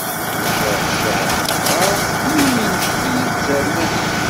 Ccah ccah a tamɣart mmi-m infeq-iyi-d ẓermani.